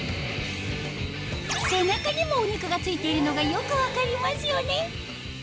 背中にもお肉がついているのがよく分かりますよね